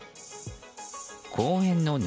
公園の沼。